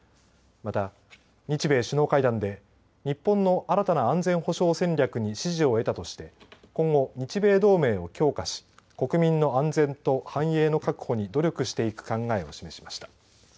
また、日米首脳会談で日本の新たな安全保障戦略に支持を得たとして、今後日米同盟を強化し国民の安全と繁栄の確保に努力していく考えを示しました。